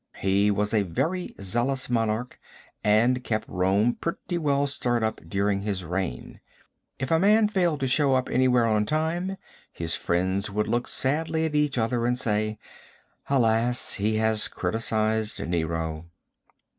He was a very zealous monarch and kept Rome pretty well stirred up during his reign. If a man failed to show up anywhere on time, his friends would look sadly at each other and say, "Alas, he has criticised Nero."